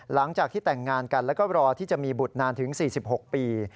หลังจากที่แต่งงานกันแล้วก็รอที่จะมีบุตรนานถึง๔๖ปี